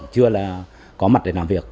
chưa là có mặt để làm việc